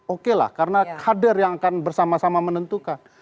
oke lah karena kader yang akan bersama sama menentukan